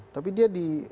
tapi dia di